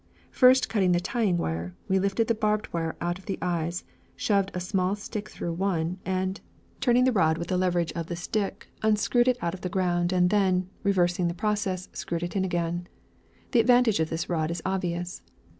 First cutting the tying wire, we lifted the barbed wire out of the eyes, shoved a small stick through one, and, turning the rod with the leverage of the stick, unscrewed it out of the ground and then, reversing the process, screwed it in again. The advantage of this rod is obvious.